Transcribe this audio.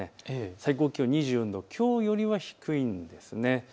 最高気温、２４度、きょうよりは低いんです。